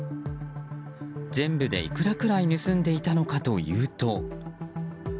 全部でいくらくらい盗んでいたのかというと。